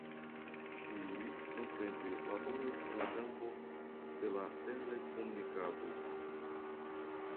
Ŝi nuntempe laboras en la kampo de la telekomunikado.